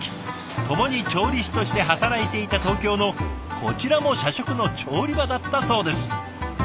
ともに調理師として働いていた東京のこちらも社食の調理場だったそうです。